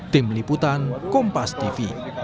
tim liputan kompas tv